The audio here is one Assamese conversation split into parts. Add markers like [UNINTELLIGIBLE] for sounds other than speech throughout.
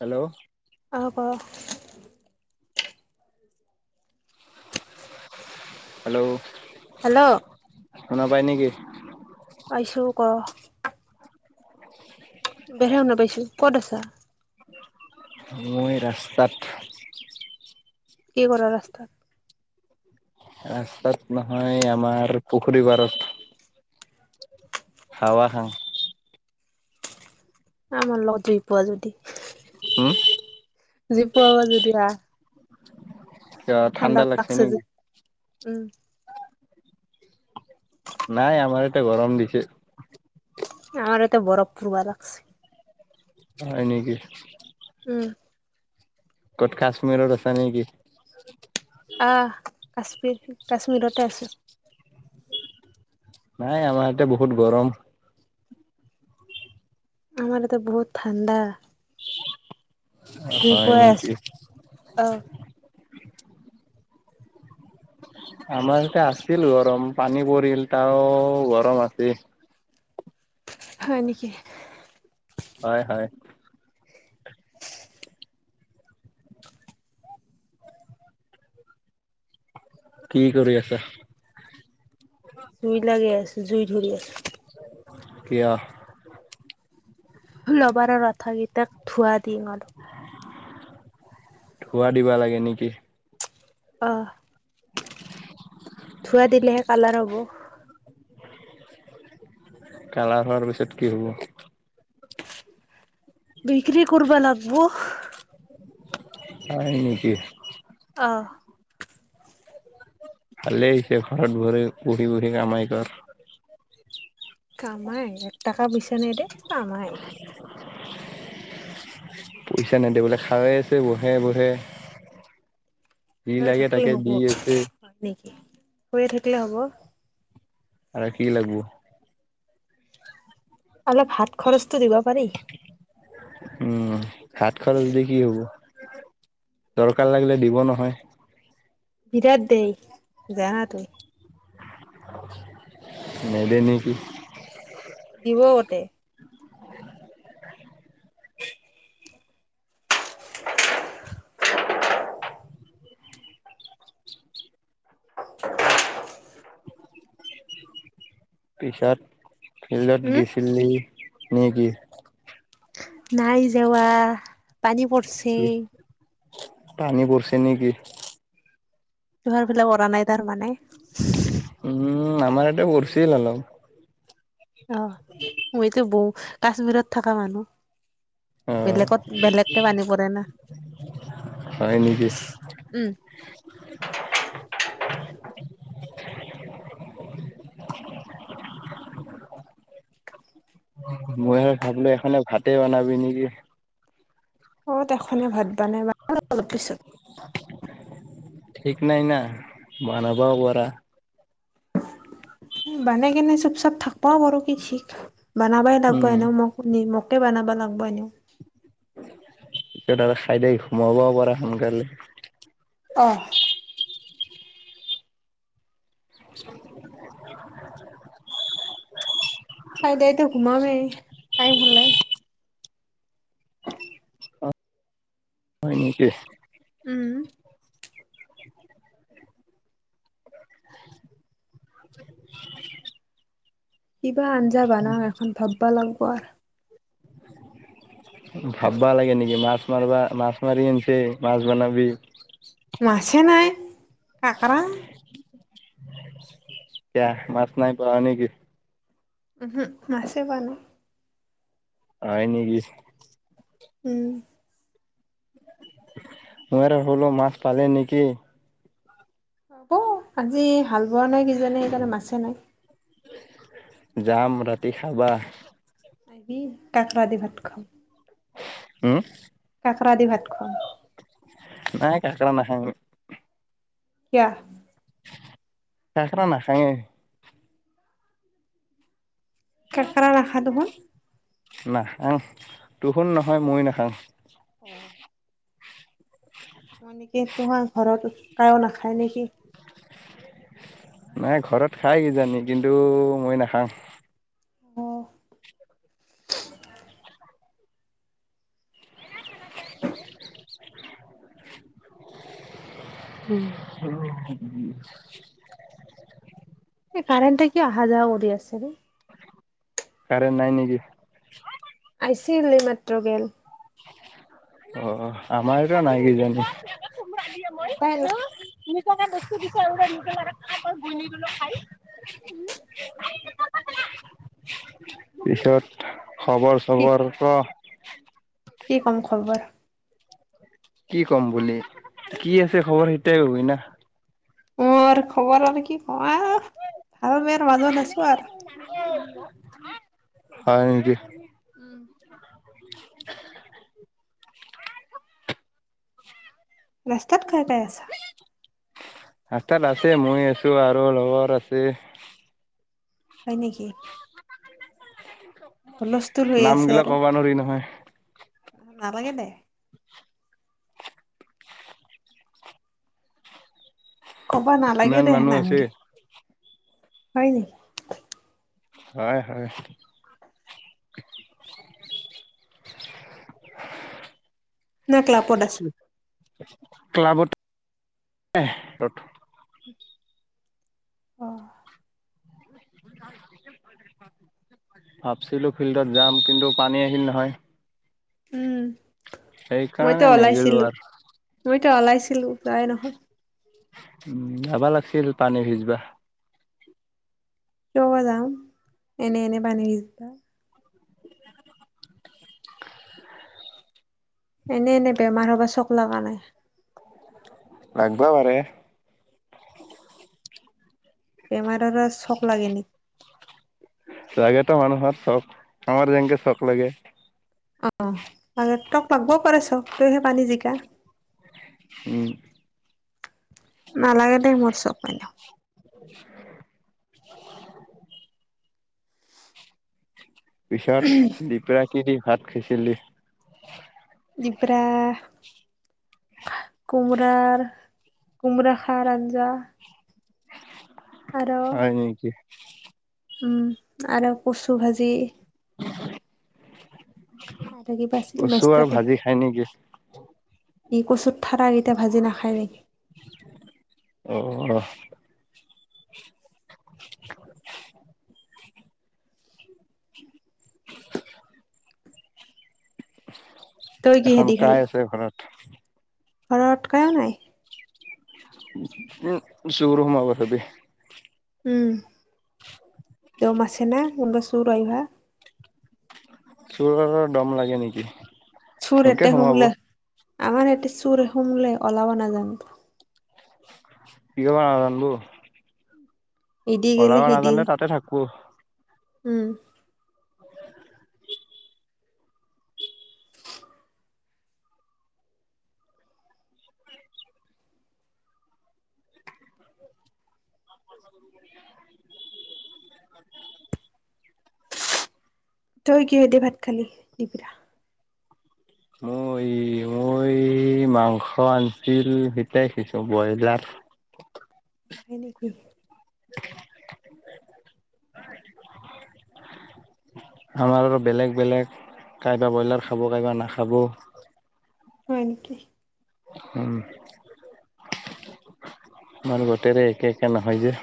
হেল্ল'? অ'! কওঁক? হেল্ল'? হেল্ল'? শুনা পায় নেকি? পইছোঁ, ক? শুনি পোৱা নাই নেকি? এতিয়াহে শুনা পাইছোঁ। ক'ত আছা? মই ৰাস্তাত। কি কৰা ৰাস্তাত? ৰাস্তাত নহয়, আমাৰ পুখুৰী পাৰত। হাৱা খাওঁ। আমাৰ লগ জুই পোৱা যদি। হোঁ? জুই ফুৰাবা যদি, আহ? ঠাণ্ডা লাগছে যে, উম। নাই, আমাৰ এতিয়া, গৰম দিছে। আমাৰ এতিয়া, বৰফ পুৰবা [UNINTELLIGIBLE] হয় নেকি? উম। ক'ত, কাশ্মীৰত আছা নেকি? অ'! কাশ্মীৰ, কাশ্মীৰতে আছোঁ। নাই, আমাৰ ইয়াতে বহুত গৰম। আমাৰ ইয়াতে, বহুত ঠাণ্ডা। জুই হয় ফুৱাই নেকি? আছোঁ। অ'! আমাৰ ইয়াতে আছিল গৰম, পানী পৰিল, [UNINTELLIGIBLE] গৰম আছে। হয় নেকি? হয়, হয়। কি কৰি আছা? জুই লাগে আছোঁ, জুই ধৰি আছোঁ। কিয়? ল'বাৰৰ আঠা গিটাক ধোৱা দিম আৰু। ধোৱা দিবা লাগে নিকি? অ'। [UNINTELLIGIBLE] ধোৱা দিলেহে, কালাৰ হ'ব। কালাৰ হোৱাৰ পিছত কি হ'ব? বিক্ৰী কৰবা লাগব। হয় নেকি? অ'। ভালেই হৈছে, ঘৰত, ঘৰে বহি বহি কামাই কৰ। কামাই, এক টাকা পইচা নাই দে। কামাই [UNINTELLIGIBLE] পইচা নেদে বোলে, খাৱাই আছে বহে বহে। যি হৈ লাগে থাকিলে তাকে হ'ব দি আছে। হয় নেকি? শুইয়ে থাকিলে হ'ব? আৰু কি লাগব? অলপ হাত খৰচটো দিব পাৰি। উম, হাত খৰচ দি কি হ'ব? দৰকাৰ লাগিলে, দিব নহয়। বিৰাট দেই, জানা তুই। নেদে নেকি? দিব গতেই। [UNINTELLIGIBLE] পিছত, ফিল্ডত উম গেছিলি নিকি? নাই যোৱা, পানী পৰছি। পানী পৰছে নেকি? তুহাৰ ফালে পৰা নাই তাৰমানে? উম, আমাৰ ইয়াতে পৰছিল অলপ। অ', মই তোৰ বৌ, কাশ্মীৰত থকা মানুহ। অ বেলেগত, বেলেগকে পানী পৰে না, হয় নেকি উম। মই আৰু ভাবিলো, এখনে ভাতে বনাবি নেকি? ক'ত এখনে ভাত বনাই, বনাম অলপ পিছত। ঠিক নাই না, বনাবাও পাৰা। বনাই কেনে, চুপ চাপ থাকবাও পাৰোঁ কি ঠিক। বানাবাই লাগব উম এনেও মক। নি মকে বানাব লাগব এনেও। তেনেহলে খাই দে, ঘোমাবও পাৰা সোনকালে। অ'। [UNINTELLIGIBLE] খাই দেইটো ঘোমামেই, টাইম হ'লে। অ হয় নেকি? উম'। [UNINTELLIGIBLE] [UNINTELLIGIBLE] কি বা আঞ্জা বানাও এখন, ভাববা লাগব আৰ। ভাববা লাগে নেকি? মাছ মাৰবা মাছ মাৰি আনছে মাছ বানাবি। মাছে নাই কাঁকৰা। [UNINTELLIGIBLE] মাছ পোৱা নাই নেকি? উমহু! মাছে পোৱা নাই। হয় নেকি? উম। মই আৰু ভাবিলোঁ মাছ পালে নেকি। অ' আজি হাল বোৱা নাই কিজানি, সেইকাৰণে মাছে নাই। যাম ৰাতি খাবা। আহি কাকৰা দি ভাত খোৱাম। হুম? কাকৰা দি ভাত খোৱাম। নাই কাকৰা নাখাং। কিয়া? কাকৰা নাখাঙে। [UNINTELLIGIBLE] নাখাঙ, তুহোন নহয়, মই নাখাং। অঁ। [UNINTELLIGIBLE] ঘৰত কায়ো নাখায় নেকি? নাই ঘৰত খাই কিজানি, কিন্তু মই নাখাং। আহ'! [UNINTELLIGIBLE] এই কাৰেণ্টে কিয় অহা যোৱা কৰি আছে? কাৰেন্ট নাই নেকি? আহিছিল এইমাত্ৰ গেল। অ' [UNINTELLIGIBLE] [UNINTELLIGIBLE] তুমি চাগে বস্তু দিছা আৰু নিজে [UNINTELLIGIBLE] [INAUDIBLE] কি খবৰ-চবৰ ক'? কি কম খবৰ? কি ক'ম বুলি কি আছে খবৰ সেইটোৱে কবি না? অ' খবৰ আৰু কি [UNINTELLIGIBLE] ভাল-বেয়া মাজত আছো আৰু। হয় নেকি? উম। [INAUDIBLE] ৰাস্তাত কাই কাই আছা? ৰাস্তাত আছে মই আছো আৰু লগৰ আছে। হয় নেকি? হুলস্থুল হৈ নাম আছে গিলা আৰু। ক'ব নোৱাৰি নহয় নালাগে দে! ক'বা নালাগে ইমান দে মানুহ আছে হেনামগে! হয় নেকি? হয় হয়। নে ক্লাপত আছে? ক্লাবত [UNINTELLIGIBLE] অ ভাবছিলো ফিল্ডত যাম, কিন্তু পানী আহিল নহয়। উম মইতো সেইকাৰণে নেগেলো ওলাইছিলো আৰু মইতো ওলাইছিলো যবাই নহল। উম যাবা লাগছিল পানী ভিজবা। কিয় বা যাম এনে এনে পানী ভিজবা। এনে এনে বেমাৰ হ'বা চক লগা নাই। লাগব পাৰে। বেমাৰৰ চখ লাগে নেকি? লাগেতো মানুহৰ চখ, আমাৰ যেনকে চখ লাগে। অঁ অঁ তক লাগবও পাৰে চখ তইহে পানী জিকা। উম নালাগে দেই মোৰ চখ এনেও। [UNINTELLIGIBLE] পিছত দুপৰীয়া কি দি ভাত খাইছিলি? দিপৰা- কোমৰাৰ, কোমৰা-খাৰ আঞ্জা আৰু হয় নিকি! উম আৰ কচু ভাজি। আৰু কিবা আছিল কচু মেষ্টা আৰু ভাজি খাই নিকি? ই কচুত থাৰা কিটা ভাজি নাখায় নিকি? অ অ [UNINTELLIGIBLE] তই এখন কিহেদি কাই খালি আছে ঘৰত? ঘৰত কাইও নাই। উম চুৰ সোমাব চাবি। উম, দম আছে না কোনবা চুৰ আইবা। চুৰৰো দম লাগে নিকি? চোৰ এতে সোমলে আমাৰ ইয়াতে চুৰ সোমলে ওলাব নাজানে। কিয় বা নাজানবো। ইদি গেলি ওলাব সিদি, নাজানিলে তাতে থাকবো উম তই কিহে দি ভাত খালি দুপৰীয়া? মই মই সি মাংস আনছিল সিটাই খাইছো ব্ৰইলাৰ হয় নিকি। [UNINTELLIGIBLE] আমাৰ আৰু বেলেগ বেলেগ কাইবা ব্ৰইলাৰ খাব কাইবা নাখাব। হয় নিকি? উম। আমাৰ গোটেৰে একে একে নহয় যে।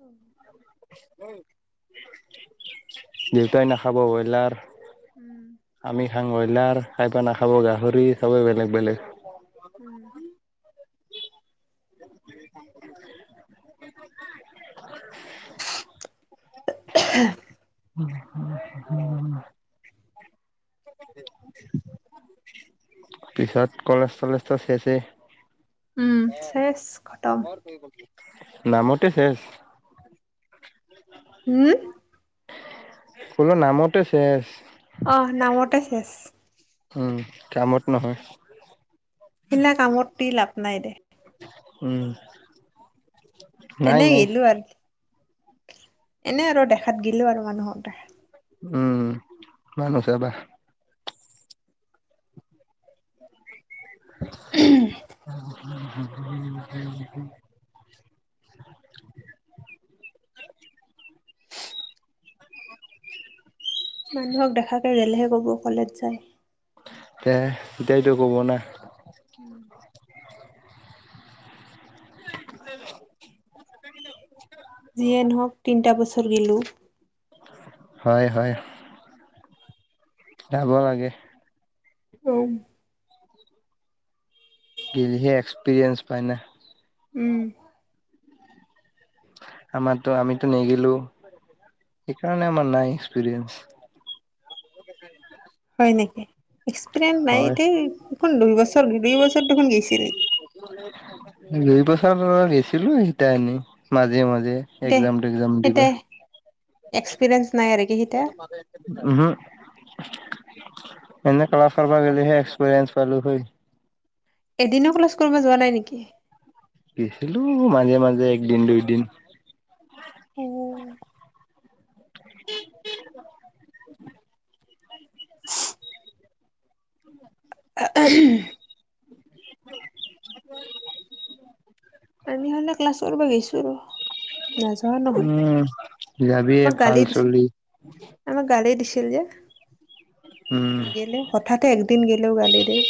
অ দেউতাই নাখাব ব্ৰইলাৰ। উম আমি খাং ব্ৰইলাৰ, কাইবা নাখাব গাহৰি চবেই বেলেগ বেলেগ। উম [UNINTELLIGIBLE] [UNINTELLIGIBLE] [UNINTELLIGIBLE] [UNINTELLIGIBLE] পিছত কলেজ চলেজটো শেষে উম, শেষ খটম। নামতে শেষ উম ফুলৰ নামতে শেষ অহ নামতে শেষ। উম, কামত নহয়। শিগলা কামত দি লাভ নাই দে। উম। নাই এনে নাই গেলো আৰু, এনে আৰু দেখাত গেলো আৰু মানুহক দেখাই। উম, নাই নাচাও দে। [UNINTELLIGIBLE] [UNINTELLIGIBLE] মানুহক দেখাকে গেলহে ক'ব কলেজ যায়। তে সেইটাইতো ক'ব না। উম। [UNINTELLIGIBLE] যিয়ে নহওক তিনিটা বছৰ গেলু। হয় হয়। যাব লাগে। উম। [UNINTELLIGIBLE] গেলিহে এক্সপিৰিয়েঞ্চ পায় না। উম। আমাৰতো, আমিতো নেগিলো সেইকাৰণে আমাৰ নাই এক্সপিৰিয়েঞ্চ। [UNINTELLIGIBLE] হয় নেকি? এক্সপিৰিয়েঞ্চ নাই হয় এতিয়া দেখোন দুইবছৰ দুইবছৰ দেখোন গেছিলি। দুই বছৰ বাৰু গেইছিলো সিতা এনে মাজে মাজে। দে একজাম তেকজাম সেইটা দিবা। এক্সপিৰিয়েঞ্চ নাই আৰু কি সিতা? উহুম, এনে ক্লাছ কৰিব গলেহে এক্সপিৰিয়েঞ্চ পালো হয়। এদিনেও ক্লাছ কৰিব যোৱা নাই নেকি? গেইছিলো মাজে মাজে একদিন, দুইদিন। অ। [UNINTELLIGIBLE] [UNINTELLIGIBLE] [UNINTELLIGIBLE] আমি হ'লে ক্লাছ কৰিব গেইছো আৰু। নাযাও নহয়, উম। যাবিয়ে আমাক ভাল গালি দিছ। চলি আমাক গালি দিছিল যে উম নিগেলেও, হঠাতে একদিন গলেও গালি দিয়ে।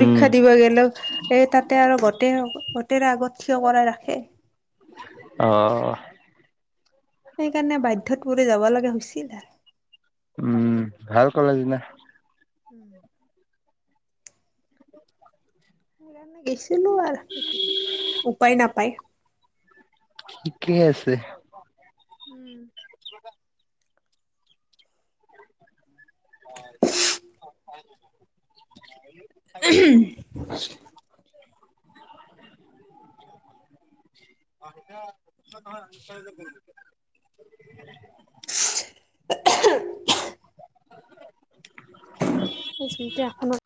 উম দিবা গ'লেও এই তাতে আৰু গোটেই -গোটেই আগত থিয় কৰাই ৰাখে। অহ। সেইকাৰনে বাধ্যত পৰি যাবা লাগা হৈছিল আ উম, ভাল কলেজ না [UNINTELLIGIBLE] উম। সেইকাৰণে গেছিলো আৰু কি কৰিম উপায় নাপায়। ঠিকেই আছে। উম। [INAUDIBLE] [INAUDIBLE] [INAUDIBLE] স্মতি এখনত